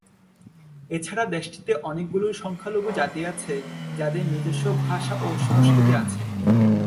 এছাড়াও দেশটিতে অনেকগুলি সংখ্যালঘু জাতি আছে, যাদের নিজস্ব ভাষা ও সংস্কৃতি আছে।